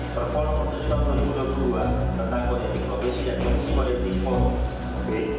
perpolonan tahun dua ribu dua puluh dua tentang kodifikasi dan kondisi kodifikasi